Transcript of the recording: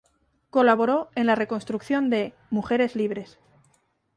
Colaboró en la reconstrucción de "Mujeres Libres".